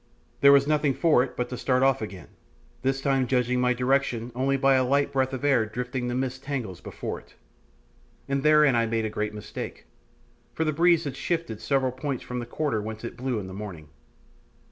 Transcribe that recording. There was nothing for it but to start off again, this time judging my direction only by a light breath of air drifting the mist tangles before it; and therein I made a great mistake, for the breeze had shifted several points from the quarter whence it blew in the morning.